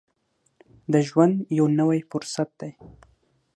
د ژوند یو نوی فرصت دی.